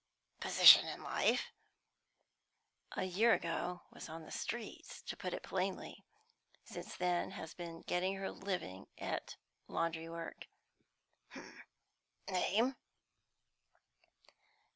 "H'm. Position in life?" "A year ago was on the streets, to put it plainly; since then has been getting her living at laundry work." "H'm. Name?"